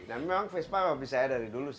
dan memang vespa abis saya dari dulu sih